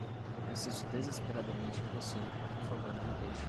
Eu preciso desesperadamente de você, por favor não me deixa